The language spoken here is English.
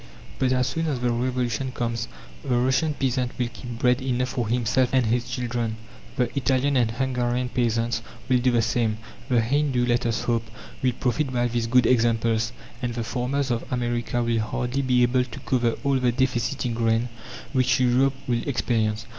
But as soon as the Revolution comes, the Russian peasant will keep bread enough for himself and his children; the Italian and Hungarian peasants will do the same; the Hindoo, let us hope, will profit by these good examples; and the farmers of America will hardly be able to cover all the deficit in grain which Europe will experience.